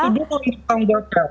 itu dulu yang ditanggalkan